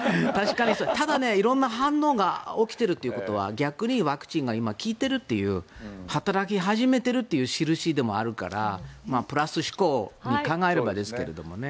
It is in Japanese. ただ、色んな反応が起きているということは逆にワクチンが効き始めている働き始めているという印でもあるからプラス思考に考えればですけどね。